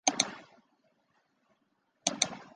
享乐团购网是香港一个已结业的团购网站。